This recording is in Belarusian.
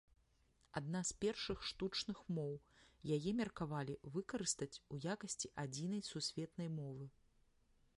Адна з першых штучных моў, яе меркавалі выкарыстаць у якасці адзінай сусветнай мовы.